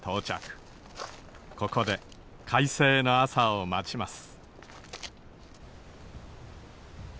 ここで快晴の朝を待ちます。